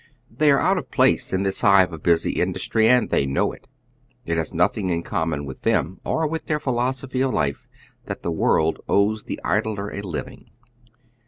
They are out of place in this hive of busy industry, and tliey know it. It has nothing in common with them or with their philosophy of life, that the world owes the idler a living.